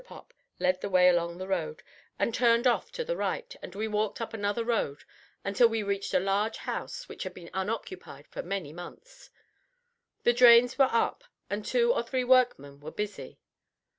Pop led the way along the road, and turned off to the right, and we walked up another road until we reached a large house which had been unoccupied for many months. The drains were up, and two or three workmen were busy.